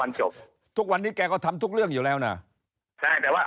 จบทุกวันนี้แกก็ทำทุกเรื่องอยู่แล้วน่ะใช่แต่ว่า